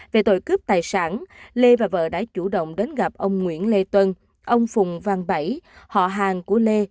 về tội cướp tài sản lê và vợ đã chủ động đến gặp ông nguyễn lê tuân ông phùng văn bảy họ hàng của lê